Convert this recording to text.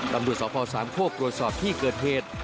ตำรวจสศ๓โค้กโกรศอบที่เกิดเหตุ